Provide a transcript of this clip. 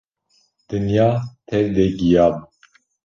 Dinya tev de giya bû.